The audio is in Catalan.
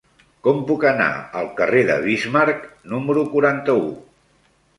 Com puc anar al carrer de Bismarck número quaranta-u?